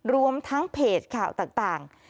รวมทั้งเพจข่าวต่าง